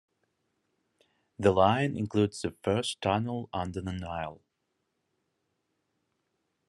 The line includes the first tunnel under the Nile.